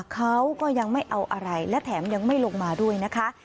เขาก็ยังไม่เอาอะไรและแถมยังไม่ลงมาด้วยนะคะ